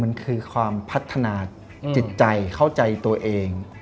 มันคือความพัฒนาจิตใจเข้าใจตัวเอง